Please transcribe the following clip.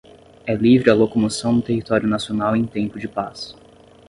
é livre a locomoção no território nacional em tempo de paz